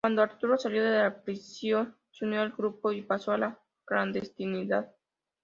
Cuando Arturo salió de prisión, se unió al grupo y pasó a la clandestinidad.